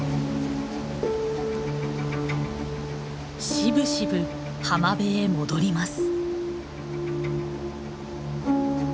しぶしぶ浜辺へ戻ります。